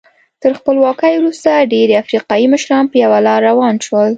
تر خپلواکۍ وروسته ډېری افریقایي مشران په یوه لار روان شول.